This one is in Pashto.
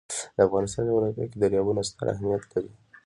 د افغانستان جغرافیه کې دریابونه ستر اهمیت لري.